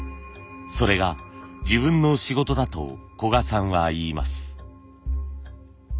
それが自分の仕事だと古賀さんは言います。